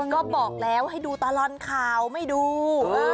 ก็บอกแล้วให้ดูตลอดข่าวไม่ดู